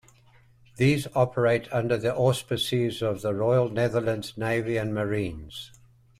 These operate under the auspices of the Royal Netherlands Navy and Marines.